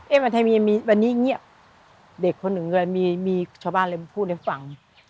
เอ๊ะวันนี้เงียบเด็กคนหนึ่งมีชาวบ้านอะไรมาพูดให้ฟัง